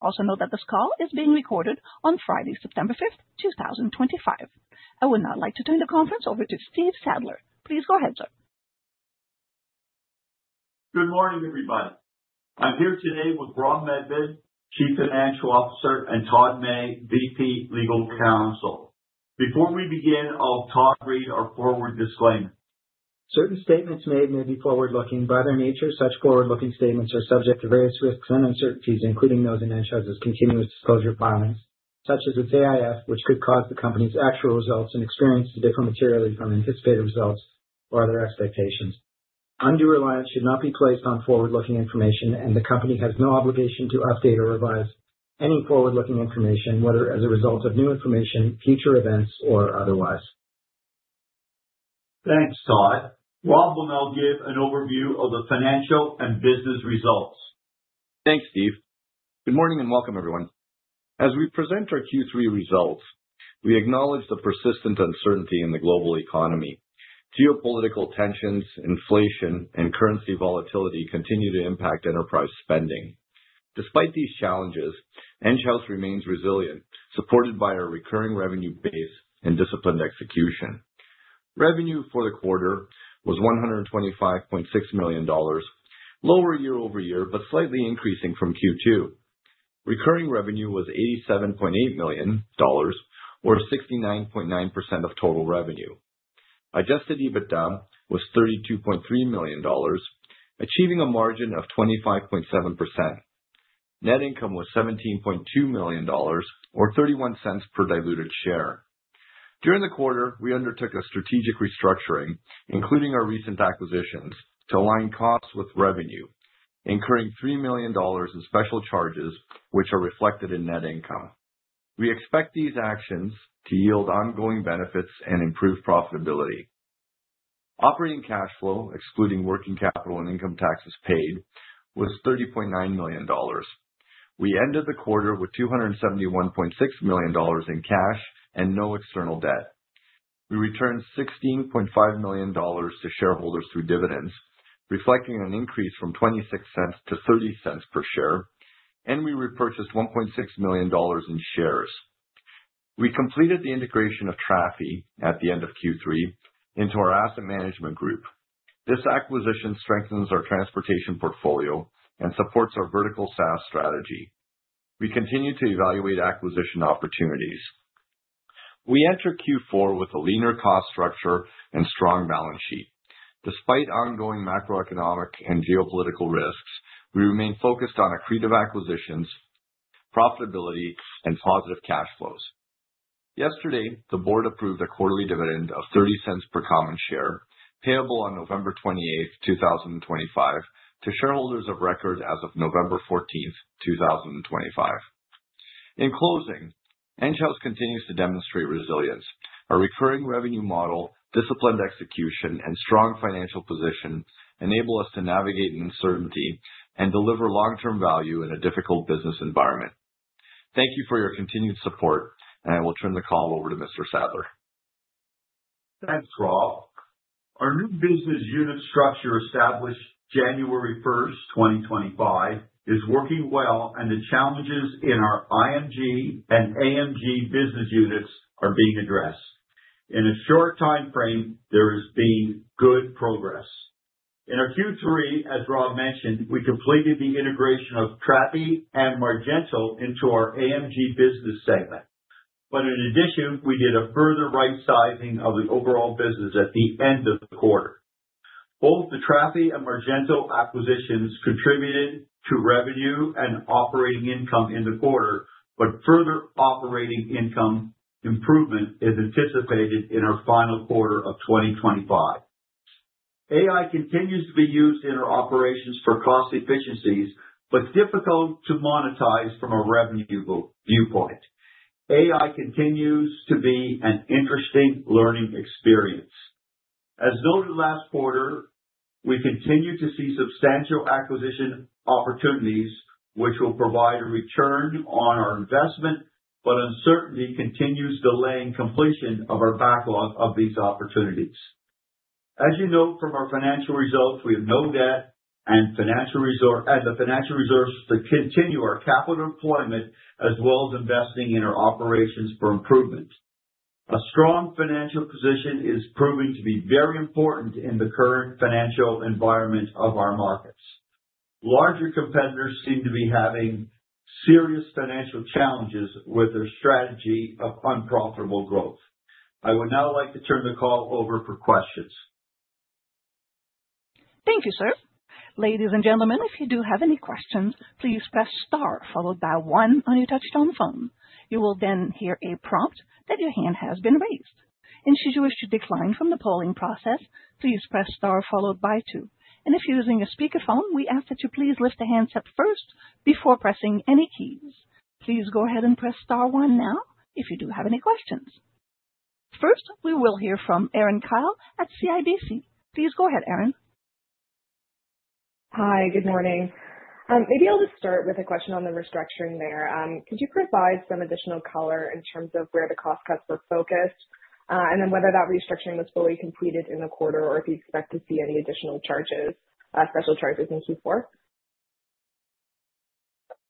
Also note that this call is being recorded on Friday, September 5th, 2025. I would now like to turn the conference over to Steve Sadler. Please go ahead, sir. Good morning, everybody. I'm here today with Rob Medved, Chief Financial Officer, and Todd May, VP Legal Counsel. Before we begin, I'll have Todd read our forward disclaimer. Certain statements made may be forward-looking. By their nature, such forward-looking statements are subject to various risks and uncertainties, including those set out in our continuous disclosure documents, such as its AIF, which could cause the company's actual results and experience to differ materially from anticipated results or otherwise. Undue reliance should not be placed on forward-looking information, and the company has no obligation to update or revise any forward-looking information, whether as a result of new information, future events, or otherwise. Thanks, Todd. Rob will now give an overview of the financial and business results. Thanks, Steve. Good morning and welcome, everyone. As we present our Q3 results, we acknowledge the persistent uncertainty in the global economy. Geopolitical tensions, inflation, and currency volatility continue to impact enterprise spending. Despite these challenges, Enghouse remains resilient, supported by our recurring revenue base and disciplined execution. Revenue for the quarter was 125.6 million dollars, lower year-over-year, but slightly increasing from Q2. Recurring revenue was 87.8 million dollars, or 69.9% of total revenue. Adjusted EBITDA was 32.3 million dollars, achieving a margin of 25.7%. Net income was 17.2 million dollars, or 0.31 per diluted share. During the quarter, we undertook a strategic restructuring, including our recent acquisitions, to align costs with revenue, incurring 3 million dollars in special charges, which are reflected in net income. We expect these actions to yield ongoing benefits and improve profitability. Operating cash flow, excluding working capital and income taxes paid, was 30.9 million dollars. We ended the quarter with 271.6 million dollars in cash and no external debt. We returned 16.5 million dollars to shareholders through dividends, reflecting an increase from 0.26 to 0.30 per share, and we repurchased 1.6 million dollars in shares. We completed the integration of Trafi at the end of Q3 into our Asset Management Group. This acquisition strengthens our transportation portfolio and supports our vertical SaaS strategy. We continue to evaluate acquisition opportunities. We enter Q4 with a leaner cost structure and strong balance sheet. Despite ongoing macroeconomic and geopolitical risks, we remain focused on accretive acquisitions, profitability, and positive cash flows. Yesterday, the board approved a quarterly dividend of 0.30 per common share, payable on November 28th, 2025, to shareholders of record as of November 14th, 2025. In closing, Enghouse continues to demonstrate resilience. Our recurring revenue model, disciplined execution, and strong financial position enable us to navigate uncertainty and deliver long-term value in a difficult business environment. Thank you for your continued support, and I will turn the call over to Mr. Sadler. Thanks, Rob. Our new business unit structure established January 1st, 2025, is working well, and the challenges in our IMG and AMG business units are being addressed. In a short time frame, there has been good progress. In our Q3, as Rob mentioned, we completed the integration of Trafi and Margento into our AMG business segment, but in addition, we did a further right-sizing of the overall business at the end of the quarter. Both the Trafi and Margento acquisitions contributed to revenue and operating income in the quarter, but further operating income improvement is anticipated in our final quarter of 2025. AI continues to be used in our operations for cost efficiencies, but difficult to monetize from a revenue viewpoint. AI continues to be an interesting learning experience. As noted last quarter, we continue to see substantial acquisition opportunities, which will provide a return on our investment, but uncertainty continues delaying completion of our backlog of these opportunities. As you know from our financial results, we have no debt and the financial resources to continue our capital deployment as well as investing in our operations for improvement. A strong financial position is proving to be very important in the current financial environment of our markets. Larger competitors seem to be having serious financial challenges with their strategy of unprofitable growth. I would now like to turn the call over for questions. Thank you, sir. Ladies and gentlemen, if you do have any questions, please press star followed by one on your touch-tone phone. You will then hear a prompt that your hand has been raised, and should you wish to withdraw from the polling process, please press star followed by two, and if using a speakerphone, we ask that you please lift the handset up first before pressing any keys. Please go ahead and press star one now if you do have any questions. First, we will hear from Erin Kyle at CIBC. Please go ahead, Erin. Hi, good morning. Maybe I'll just start with a question on the restructuring there. Could you provide some additional color in terms of where the cost cuts were focused and then whether that restructuring was fully completed in the quarter or if you expect to see any additional charges, special charges in Q4?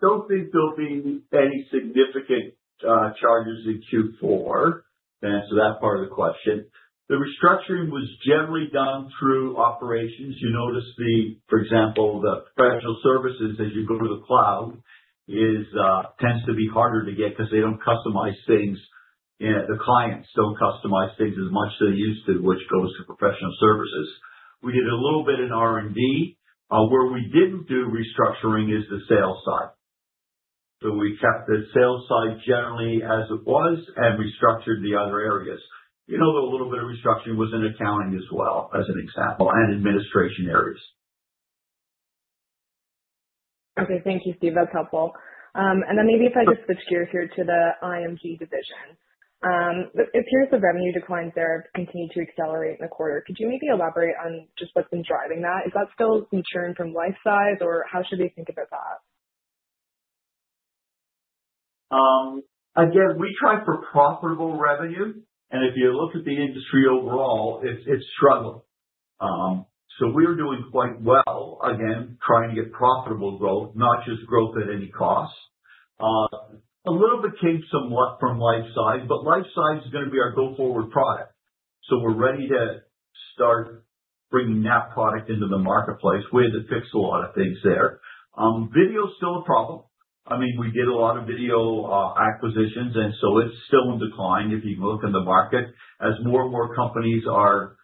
Don't think there'll be any significant charges in Q4 to answer that part of the question. The restructuring was generally done through operations. You notice the, for example, the professional services as you go to the cloud tends to be harder to get because they don't customize things. The clients don't customize things as much as they used to, which goes to professional services. We did a little bit in R&D. Where we didn't do restructuring is the sales side. So we kept the sales side generally as it was and restructured the other areas. You know, a little bit of restructuring was in accounting as well, as an example, and administration areas. Okay, thank you, Steve. That's helpful. And then maybe if I just switch gears here to the IMG division. If you look at the revenue declines, they continue to accelerate in the quarter. Could you maybe elaborate on just what's been driving that? Is that still some churn from Lifesize, or how should we think about that? Again, we try for profitable revenue, and if you look at the industry overall, it's struggling. So we're doing quite well, again, trying to get profitable growth, not just growth at any cost. A little bit came some luck from Lifesize, but Lifesize is going to be our go-forward product. So we're ready to start bringing that product into the marketplace. We had to fix a lot of things there. Video is still a problem. I mean, we did a lot of video acquisitions, and so it's still in decline if you look in the market as more and more companies are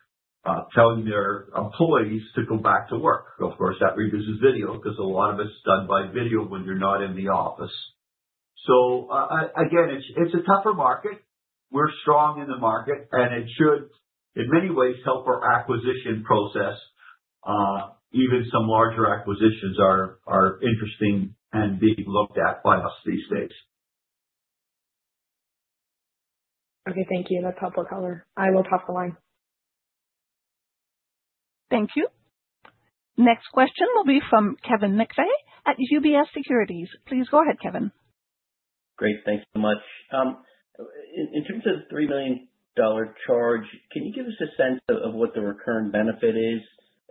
telling their employees to go back to work. Of course, that reduces video because a lot of it's done by video when you're not in the office. So again, it's a tougher market. We're strong in the market, and it should in many ways help our acquisition process. Even some larger acquisitions are interesting and being looked at by us these days. Okay, thank you. That's helpful color. I will pop the line. Thank you. Next question will be from Kevin McVeigh at UBS Securities. Please go ahead, Kevin. Great. Thanks so much. In terms of the 3 million dollar charge, can you give us a sense of what the recurring benefit is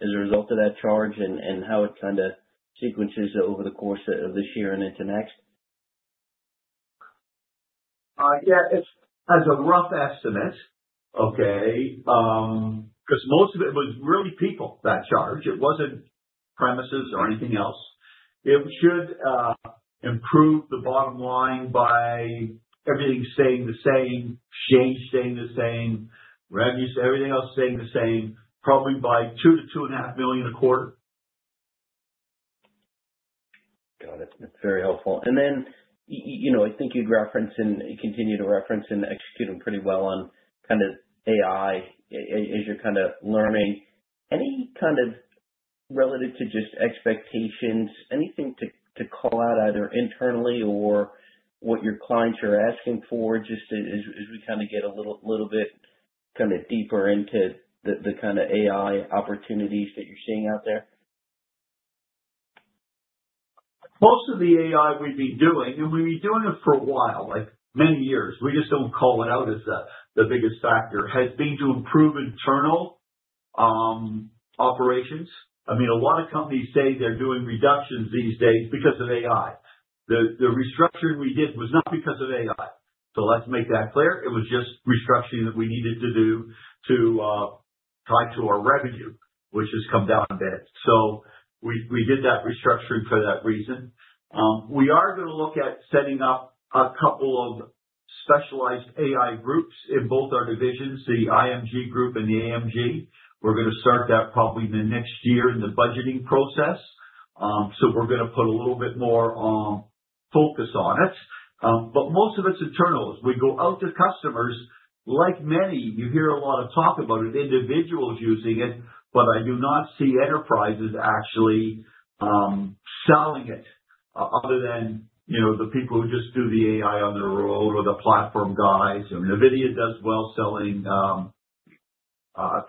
as a result of that charge and how it kind of sequences over the course of this year and into next? Yeah, it's as a rough estimate, okay, because most of it was really people that charged. It wasn't premises or anything else. It should improve the bottom line by everything staying the same, change staying the same, revenues, everything else staying the same, probably by 2 million-2.5 million a quarter. Got it. That's very helpful. And then I think you'd reference and continue to reference and execute them pretty well on kind of AI as you're kind of learning. Any kind of relative to just expectations, anything to call out either internally or what your clients are asking for just as we kind of get a little bit kind of deeper into the kind of AI opportunities that you're seeing out there? Most of the AI we've been doing, and we've been doing it for a while, like many years, we just don't call it out as the biggest factor, has been to improve internal operations. I mean, a lot of companies say they're doing reductions these days because of AI. The restructuring we did was not because of AI. So let's make that clear. It was just restructuring that we needed to do to tie to our revenue, which has come down a bit. So we did that restructuring for that reason. We are going to look at setting up a couple of specialized AI groups in both our divisions, the IMG group and the AMG. We're going to start that probably in the next year in the budgeting process. So we're going to put a little bit more focus on it. But most of it's internal. We go out to customers. Like many, you hear a lot of talk about it, individuals using it, but I do not see enterprises actually selling it other than the people who just do the AI on their own or the platform guys, and NVIDIA does well selling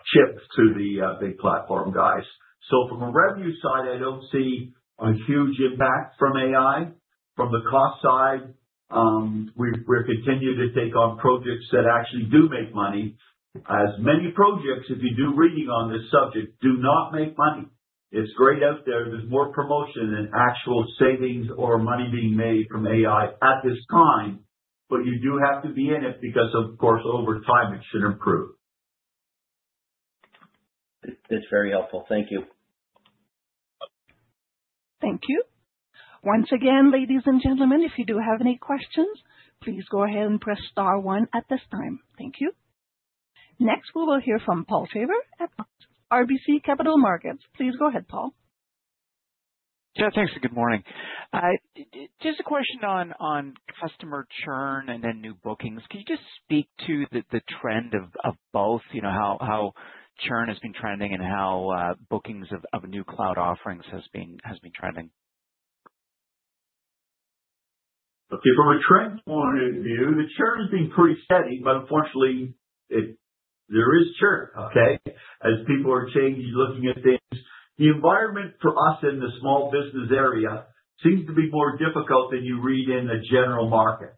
chips to the big platform guys, so from a revenue side, I don't see a huge impact from AI. From the cost side, we continue to take on projects that actually do make money, as many projects, if you do reading on this subject, do not make money. It's great out there. There's more promotion than actual savings or money being made from AI at this time, but you do have to be in it because, of course, over time, it should improve. That's very helpful. Thank you. Thank you. Once again, ladies and gentlemen, if you do have any questions, please go ahead and press star one at this time. Thank you. Next, we will hear from Paul Treiber at RBC Capital Markets. Please go ahead, Paul. Yeah, thanks. Good morning. Just a question on customer churn and then new bookings. Can you just speak to the trend of both, how churn has been trending and how bookings of new cloud offerings has been trending? From a trend point of view, the churn has been pretty steady, but unfortunately, there is churn, okay, as people are changing, looking at things. The environment for us in the small business area seems to be more difficult than you read in the general market.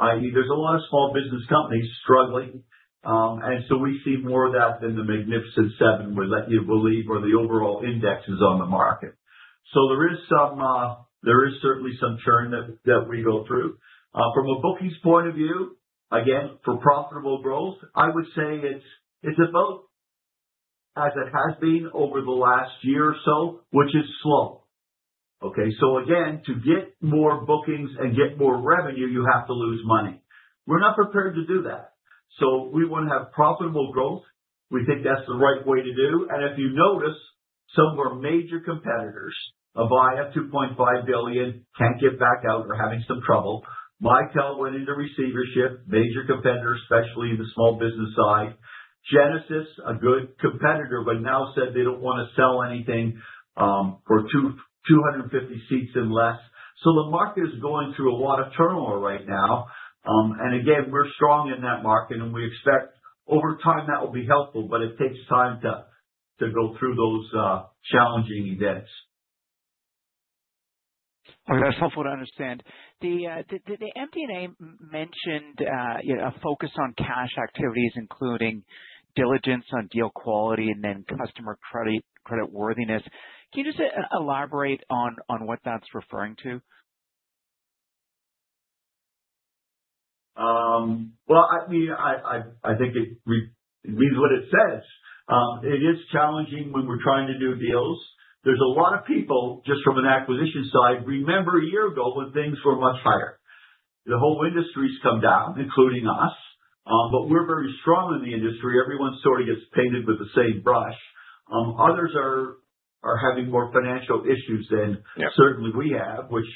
There's a lot of small business companies struggling, and so we see more of that than the Magnificent Seven would let you believe, or the overall indexes on the market. So there is certainly some churn that we go through. From a bookings point of view, again, for profitable growth, I would say it's about as it has been over the last year or so, which is slow. Okay, so again, to get more bookings and get more revenue, you have to lose money. We're not prepared to do that. So we want to have profitable growth. We think that's the right way to do, and if you notice, some of our major competitors, Avaya, $2.5 billion, can't get back out. We're having some trouble. Mitel went into receivership, major competitor, especially in the small business side. Genesys, a good competitor, but now said they don't want to sell anything for 250 seats and less, so the market is going through a lot of turmoil right now, and again, we're strong in that market, and we expect over time that will be helpful, but it takes time to go through those challenging events. That's helpful to understand. The MD&A mentioned a focus on cash activities, including diligence on deal quality and then customer creditworthiness. Can you just elaborate on what that's referring to? Well, I mean, I think it means what it says. It is challenging when we're trying to do deals. There's a lot of people just from an acquisition side. Remember a year ago when things were much higher. The whole industry's come down, including us, but we're very strong in the industry. Everyone sort of gets painted with the same brush. Others are having more financial issues than certainly we have, which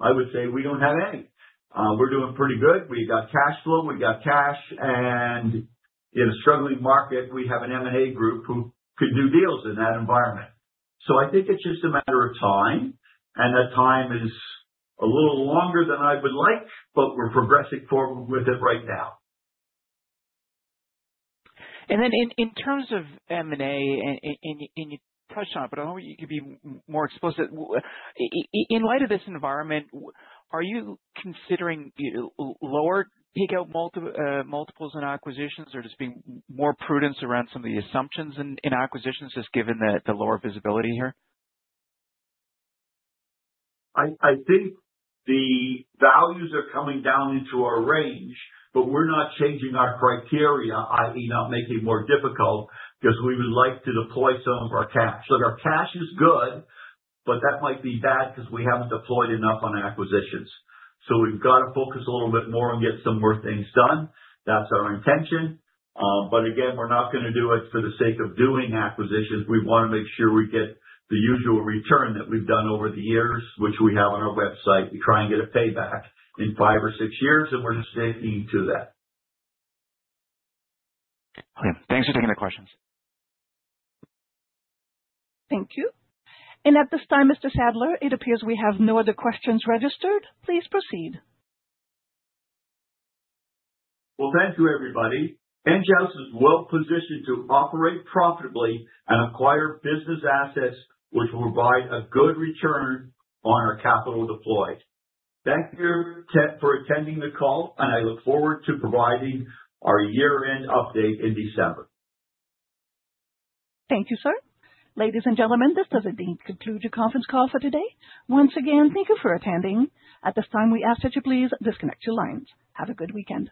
I would say we don't have any. We're doing pretty good. We got cash flow. We got cash. And in a struggling market, we have an M&A group who could do deals in that environment. So I think it's just a matter of time, and the time is a little longer than I would like, but we're progressing forward with it right now. And then in terms of M&A, and you touched on it, but I hope you could be more explicit. In light of this environment, are you considering lower payout multiples in acquisitions, or just being more prudent around some of the assumptions in acquisitions just given the lower visibility here? I think the values are coming down into our range, but we're not changing our criteria, i.e., not making it more difficult because we would like to deploy some of our cash. So our cash is good, but that might be bad because we haven't deployed enough on acquisitions. So we've got to focus a little bit more and get some more things done. That's our intention. But again, we're not going to do it for the sake of doing acquisitions. We want to make sure we get the usual return that we've done over the years, which we have on our website. We try and get a payback in five or six years, and we're just sticking to that. Okay. Thanks for taking the questions. Thank you, and at this time, Mr. Sadler, it appears we have no other questions registered. Please proceed. Thank you, everybody. Enghouse is well positioned to operate profitably and acquire business assets, which will provide a good return on our capital deployed. Thank you for attending the call, and I look forward to providing our year-end update in December. Thank you, sir. Ladies and gentlemen, this does conclude your conference call for today. Once again, thank you for attending. At this time, we ask that you please disconnect your lines. Have a good weekend.